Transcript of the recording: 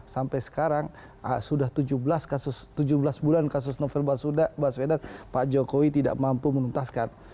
sampai sekarang sudah tujuh belas bulan kasus novel baswedan pak jokowi tidak mampu menuntaskan